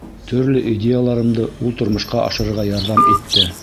Төрлө идеяларымды ул тормошҡа ашырырға ярҙам итте.